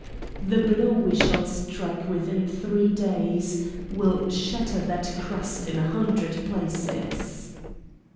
The blow we shall strike within three days will shatter that crust in a hundred places."